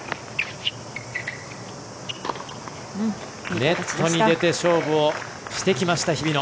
ネットに出て勝負をしてきた日比野。